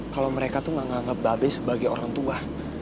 kalo mereka tuh gak nganggep babi sebagai orang tua